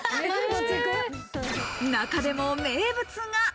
中でも名物が。